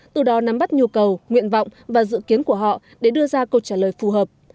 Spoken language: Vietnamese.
từ đó nắm bắt nhu cầu nguyện vọng và dự kiến của họ để đưa ra câu trả lời phù hợp